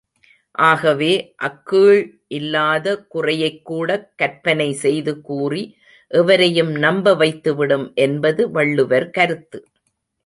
ஆகவே, அக்கீழ் இல்லாத குறையைக்கூடக் கற்பனை செய்து கூறி, எவரையும் நம்பவைத்துவிடும் என்பது வள்ளுவர் கருத்து.